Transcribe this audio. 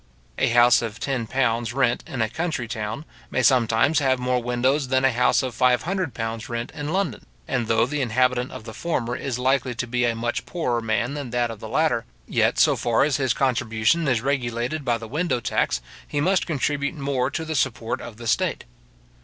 A house of ten pounds rent in a country town, may sometimes have more windows than a house of five hundred pounds rent in London; and though the inhabitant of the former is likely to be a much poorer man than that of the latter, yet, so far as his contribution is regulated by the window tax, he must contribute more to the support of the state.